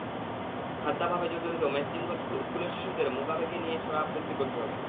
খাদ্যাভাবে জর্জরিত ম্যাসডিঙ্গোর স্কুলের শিশুদের মুগাবেকে নিয়ে ছড়া আবৃত্তি করতে হয়।